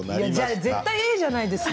絶対Ａじゃないですか。